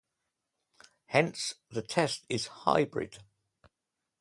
Hence, the test is hybrid.